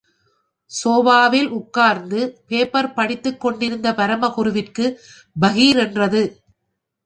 சோபாவில் உட்காாந்து பேப்பர் படித்துக் கொண்டிருந்த பரமகுருவிற்கு, பகீர் என்றது.